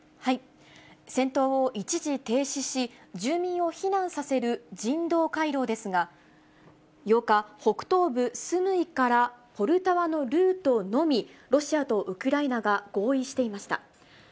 戦闘を一時停止し、住民を避難させる人道回廊ですが、８日、北東部スムイからポルタワのルートのみ、ロシアとウクライナが合意していました。